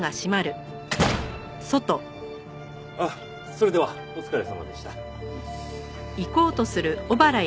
それではお疲れさまでした。